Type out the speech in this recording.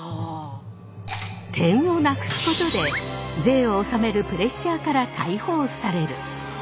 点をなくすことで税を納めるプレッシャーから解放される。